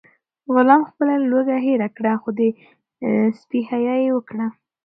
غلام خپله لوږه هېره کړه خو د سپي حیا یې وکړه.